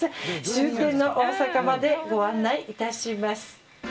終点の大阪までご案内致します。